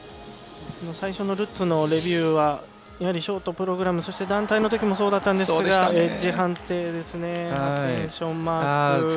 最初のルッツのレビューはやはりショートプログラムそして団体のときもそうだったんですがエッジ判定ですね。